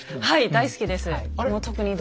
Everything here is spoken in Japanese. はい大好きです。